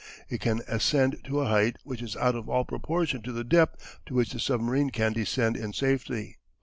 It can ascend to a height which is out of all proportion to the depth to which the submarine can descend in safety.